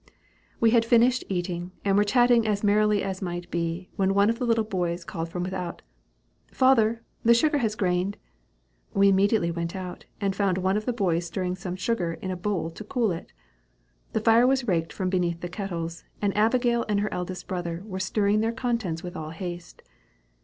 We had finished eating, and were chatting as merrily as might be, when one of the little boys called from without, "Father, the sugar has grained." We immediately went out, and found one of the boys stirring some sugar in a bowl to cool it. The fire was raked from beneath the kettles, and Abigail and her eldest brother were stirring their contents with all haste.